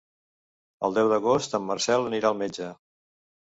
El deu d'agost en Marcel anirà al metge.